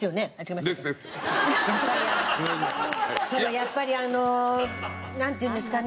やっぱりあのなんていうんですかね。